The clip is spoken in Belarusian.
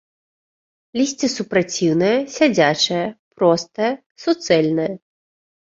Лісце супраціўнае, сядзячае, простае, суцэльнае.